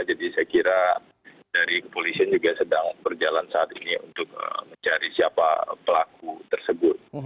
jadi saya kira dari kepolisian juga sedang berjalan saat ini untuk mencari siapa pelaku tersebut